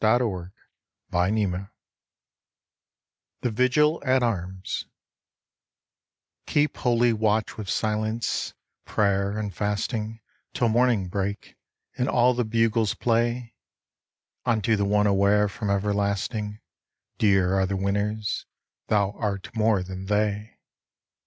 The Vigil at Arms KEEP holy watch with silence, prayer, and fasting Till morning break, and all the bugles play; Unto the One aware from everlasting Dear are the winners: thou art more than they.